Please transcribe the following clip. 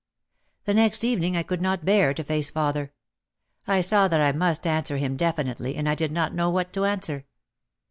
The next evening I could not bear to face father. I saw that I must answer him definitely and I did not know what to answer.